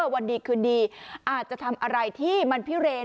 วันดีคืนดีอาจจะทำอะไรที่มันพิเรน